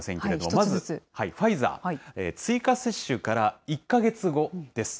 まずファイザー、追加接種から１か月後です。